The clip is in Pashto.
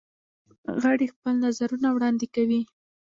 غړي خپل نظرونه وړاندې کوي.